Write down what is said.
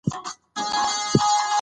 د مالي چارو ارزښت ور وپیژنئ.